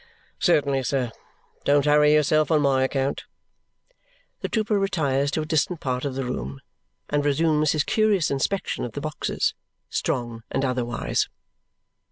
"Certainly, sir. Don't hurry yourself on my account." The trooper retires to a distant part of the room and resumes his curious inspection of the boxes, strong and otherwise.